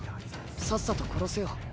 さっさと殺せよ。